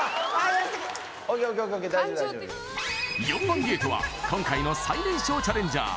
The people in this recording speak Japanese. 大丈夫大丈夫４番ゲートは今回の最年少チャレンジャー